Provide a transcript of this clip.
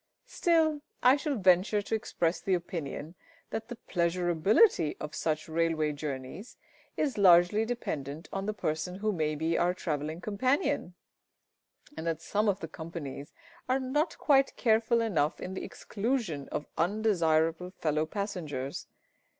Still, I shall venture to express the opinion that the pleasurability of such railway journeys is largely dependent upon the person who may be our travelling companion, and that some of the companies are not quite careful enough in the exclusion of undesirable fellow passengers.